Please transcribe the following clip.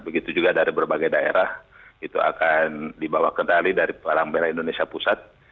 begitu juga dari berbagai daerah itu akan dibawa kendali dari barang bela indonesia pusat